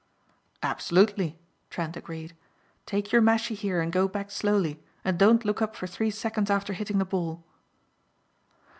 "Absolutely," Trent agreed, "take your mashie here and go back slowly and don't look up for three seconds after hitting the ball."